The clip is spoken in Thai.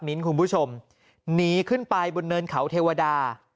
คุณผู้ชมหนีขึ้นไปบนเนินเขาเทวดา